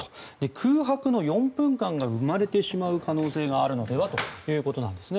空白の４分間が生まれてしまう可能性があるのではということなんですね。